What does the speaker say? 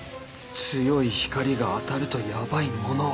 強い光が当たるとヤバいものは